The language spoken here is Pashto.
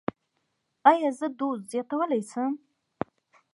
ایا زه دوز زیاتولی شم؟